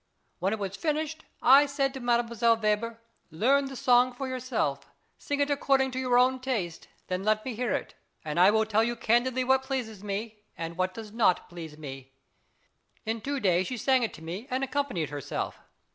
When it was finished, I said to Mdlle. Weber, "Learn the song for yourself; sing it according to your own taste; then let me hear it, and I will tell you candidly what pleases me and what does not please me." In two days she sang it to me, and accompanied herself.